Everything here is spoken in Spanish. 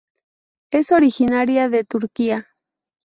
Es originaria de Turquía.